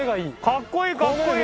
かっこいいかっこいい！